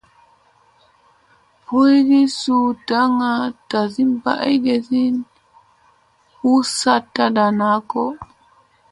Boygi suu daŋga tasi ɓaa egesi u saɗ taɗa naa go.